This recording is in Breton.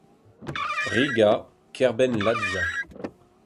Riga, kêr-benn Latvia.